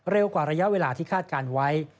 กว่าระยะเวลาที่คาดการณ์ไว้